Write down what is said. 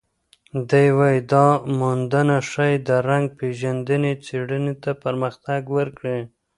دی وايي، دا موندنه ښايي د رنګ پېژندنې څېړنې ته پرمختګ ورکړي.